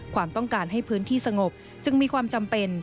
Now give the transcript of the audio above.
ความต้องการให้พื้นที่สงบจึงมีความจำเป็น